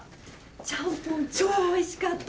ちゃんぽん超おいしかった。